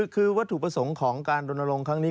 คือวัตถุประสงค์ของการรณรงค์ครั้งนี้